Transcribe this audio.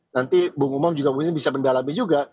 nanti bung umang mungkin bisa mendalami juga